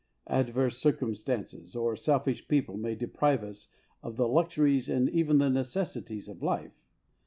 Adverse circumstances or selfish people may deprive us of the luxuries and even of the necessities of life.